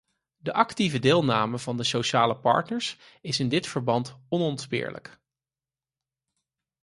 De actieve deelname van de sociale partners is in dit verband onontbeerlijk.